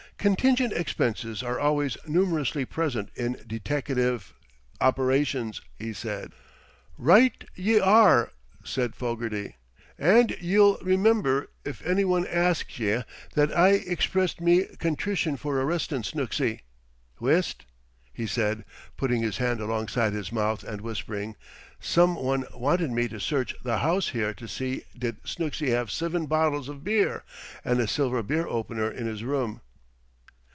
"Contingent expenses are always numerously present in deteckative operations," he said. "Right ye ar re!" said Fogarty. "An' ye'll remimber, if anny wan asks ye, that I ixprissed me contrition for arristin' Snooksy. Whist!" he said, putting his hand alongside his mouth and whispering: "Some wan wanted me t' search th' house here t' see did Snooksy have sivin bottles iv beer an' a silver beer opener in his room."